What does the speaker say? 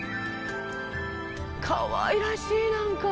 かわいらしいなんか。